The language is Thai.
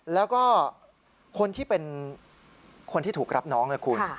แล้วก็คนที่เป็นคนที่ถูกรับน้องนะคุณ